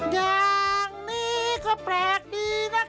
อย่างนี้ก็แปลกดีนะคะ